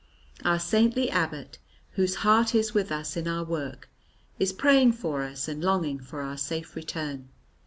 "Our saintly abbot, whose heart is with us in our work, is praying for us and longing for our safe return.